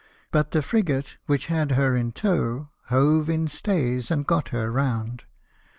But the frigate which had her in tow hove in stays, and got her round.